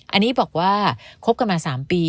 อันนี้บอกว่าคบกันมา๓ปี